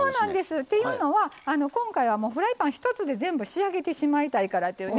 っていうのは今回はフライパン一つで全部仕上げてしまいたいからというね。